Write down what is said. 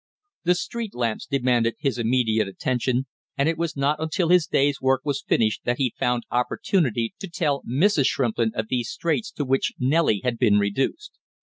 The street lamps demanded his immediate attention, and it was not until his day's work was finished that he found opportunity to tell Mrs. Shrimplin of these straits to which Nellie had been reduced.